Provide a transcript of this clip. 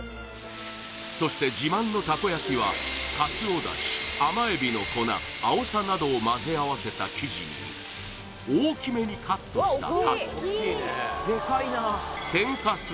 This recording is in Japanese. そして自慢のたこ焼はカツオ出汁甘エビの粉あおさなどをまぜあわせた生地に大きめにカットしたたこ天かす